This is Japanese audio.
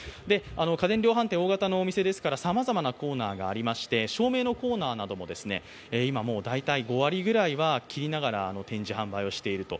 家電量販店、大型のお店ですからさまざまなコーナーがありまして、照明のコーナーなども今、５割ぐらいは切りながら展示販売していると。